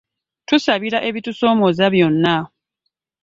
Tusabira ebitusoomooza byonna.